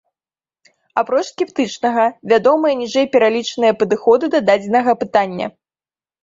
Апроч скептычнага, вядомыя ніжэйпералічаныя падыходы да дадзенага пытання.